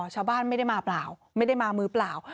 ชาวบ้านไม่ได้มาเปล่าไม่ได้มามือเปล่า